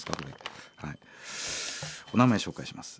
お名前紹介します。